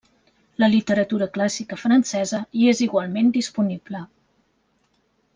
La literatura clàssica francesa hi és igualment disponible.